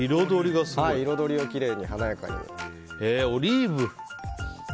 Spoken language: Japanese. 彩りをきれいに、華やかに。